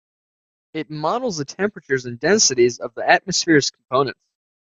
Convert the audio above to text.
It models the temperatures and densities of the atmosphere's components.